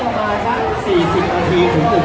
ขอบคุณมากนะคะแล้วก็แถวนี้ยังมีชาติของ